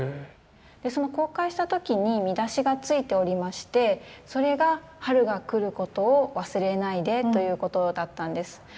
その公開した時に見出しが付いておりましてそれが「春が来ることを忘れないで」ということだったんです。